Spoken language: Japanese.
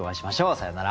さようなら。